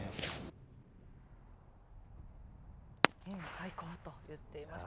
最高と言っていました。